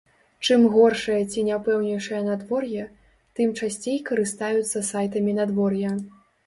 Чым горшае ці няпэўнейшае надвор'е, тым часцей карыстаюцца сайтамі надвор'я.